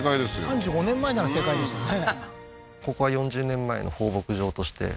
３５年前なら正解でしたね